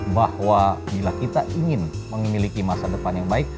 bahwa bila kita ingin memiliki masa depan yang baik